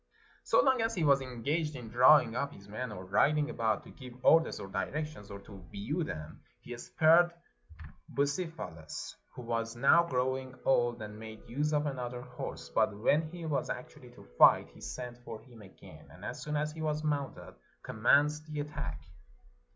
So long as he was engaged in drawing up his men, or riding about to give orders or directions, or to view them, he spared Bucephalus, who was now groviing old, and made use of another horse; but when he was actually to fight, he sent for him again, and as soon as he was mounted, commenced the attack.